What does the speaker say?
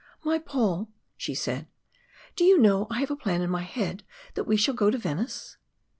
"My Paul," she said, "do you know I have a plan in my head that we shall go to Venice?"